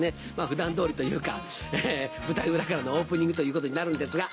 普段通りというか舞台裏からのオープニングということになるんですが。